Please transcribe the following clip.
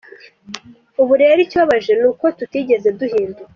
Ubu rero ikibabaje ni uko tutigeze duhinduka.